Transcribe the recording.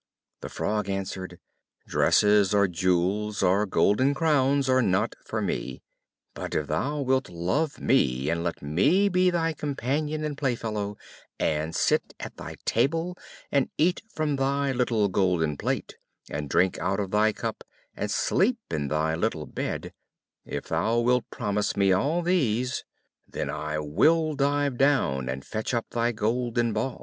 The Frog answered, "Dresses, or jewels, or golden crowns, are not for me; but if thou wilt love me, and let me be thy companion and playfellow, and sit at thy table, and eat from thy little golden plate, and drink out of thy cup, and sleep in thy little bed, if thou wilt promise me all these, then will I dive down and fetch up thy golden ball."